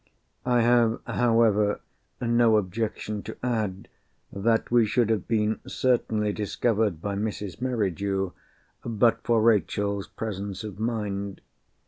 I have, however, no objection to add, that we should have been certainly discovered by Mrs. Merridew, but for Rachel's presence of mind.